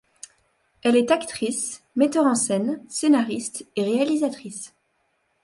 Elle est actrice, metteure en scène, scénariste et réalisatrice.